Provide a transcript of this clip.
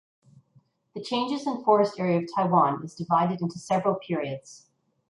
The changes in forest area of Taiwan is divided into several periods.